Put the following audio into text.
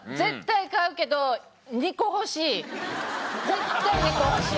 絶対２個欲しい。